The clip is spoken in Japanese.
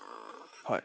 はい。